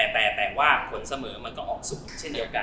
แต่ว่าผลเสมอมันก็ออกสูงเช่นเดียวกัน